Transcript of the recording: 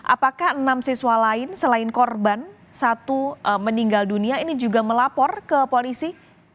apakah enam siswa lain selain korban satu meninggal dunia ini juga melapor ke polisi